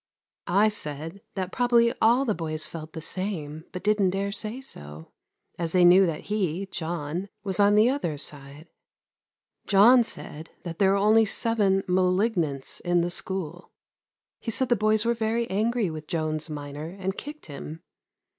I said that probably all the boys felt the same, but didn't dare say so, as they knew that he, John, was on the other side. John said there are only seven "malignants" in the school. He said the boys were very angry with Jones minor and kicked him.